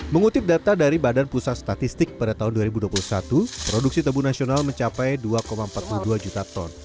mengutip data dari badan pusat statistik pada tahun dua ribu dua puluh satu produksi tebu nasional mencapai dua empat puluh dua juta ton